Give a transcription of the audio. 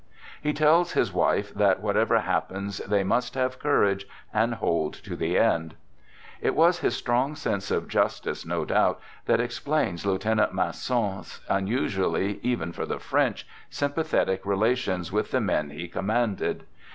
He tells his wife that whatever happens they must have courage and " hold to the end." It was his strong sense of justice, no doubt, that explains Lieutenant Masson's unusually (even for the French) sympathetic relations with the men he commanded.